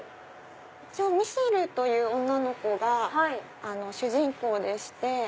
一応ミシェルという女の子が主人公でして。